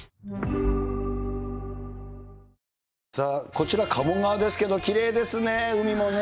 こちら、鴨川ですけど、きれいですね、海もね。